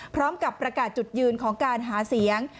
พร้อมกับประกาศจุดยืนของการหาเสียง